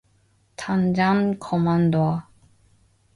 당장 그만둬!